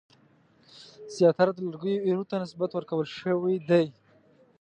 زیاتره د لرګیو ایرو ته نسبت ورکول شوی دی.